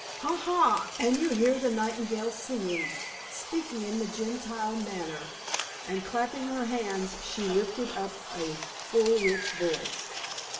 Ha! ha! and you hear the nightingale singing, speaking in the Gentile manner," and clapping her hands she lifted up a full rich voice.